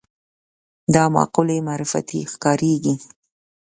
دا مقولې معرفتي ښکارېږي